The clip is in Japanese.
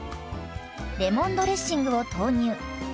レモンドレッシングを投入。